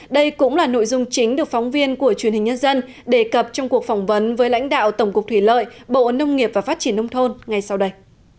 đây cũng là nội dung chính được phóng viên của truyền hình nhân dân đề cập trong cuộc phỏng vấn với lãnh đạo tổng cục thủy lợi bộ nông nghiệp và phát triển nông thôn ngay sau đây